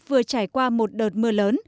vừa trải qua một đợt mưa lớn